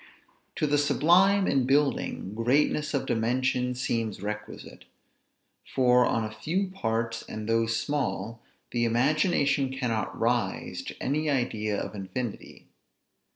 To the sublime in building, greatness of dimension seems requisite; for on a few parts, and those small, the imagination cannot rise to any idea of infinity.